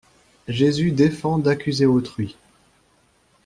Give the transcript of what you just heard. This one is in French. Jésus défend d'accuser autrui.